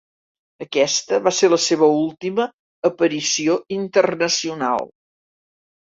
Aquesta va ser la seva última aparició internacional.